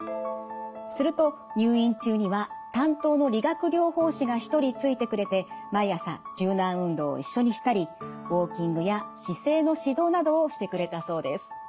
すると入院中には担当の理学療法士が１人ついてくれて毎朝柔軟運動を一緒にしたりウォーキングや姿勢の指導などをしてくれたそうです。